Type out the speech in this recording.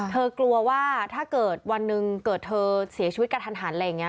กลัวว่าถ้าเกิดวันหนึ่งเกิดเธอเสียชีวิตกระทันหันอะไรอย่างนี้